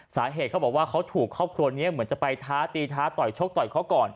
เขาบอกว่าเขาถูกครอบครัวนี้เหมือนจะไปท้าตีท้าต่อยชกต่อยเขาก่อน